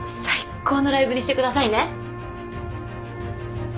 最高のライブにしてくださいね！